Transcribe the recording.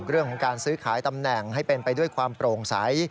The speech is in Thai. เรื่องของการซื้อขายตำแหน่งให้เป็นไปด้วยความโปร่งใส